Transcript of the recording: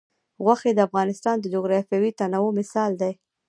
غوښې د افغانستان د جغرافیوي تنوع مثال دی.